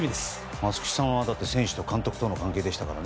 松木さんは選手と監督との関係でしたからね。